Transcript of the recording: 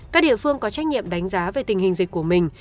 các địa phương có trách nhiệm đánh giá về tình hình dịch của mình